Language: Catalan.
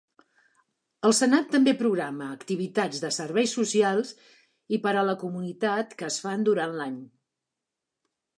El Senat també programa activitats de serveis socials i per a la comunitat que es fan durant l'any.